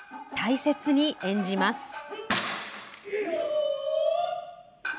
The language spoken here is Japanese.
大切に演じます。